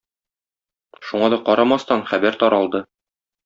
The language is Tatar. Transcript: Шуңа да карамастан хәбәр таралды.